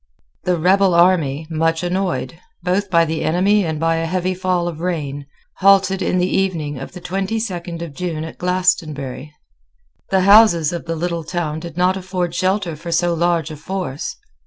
The rebel army, much annoyed, both by the enemy and by a heavy fall of rain, halted in the evening of the twenty second of June at Glastonbury. The houses of the little town did not afford shelter for so large a force.